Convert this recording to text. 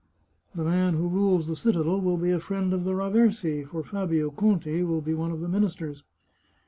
The man who rules the citadel will be a friend of the Raversi, for Fabio Conti will be one of the ministers.